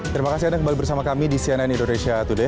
terima kasih anda kembali bersama kami di cnn indonesia today